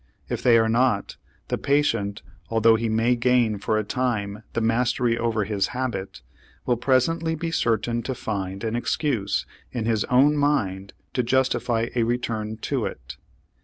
If they are not, the patient, although he may gain for a time the mastery over his habit, will presently be certain to find an excuse in his own mind to justify a return to it.